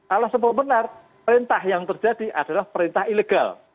alasan benar perintah yang terjadi adalah perintah ilegal